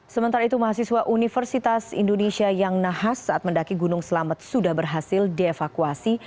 sementara itu mahasiswa universitas indonesia yang nahas saat mendaki gunung selamet sudah berhasil dievakuasi